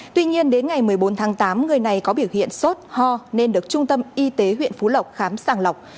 tuy nhiên đến ngày một mươi bốn tháng tám người này có biểu hiện sốt ho nên được trung tâm y tế huyện phú lộc khám sàng lọc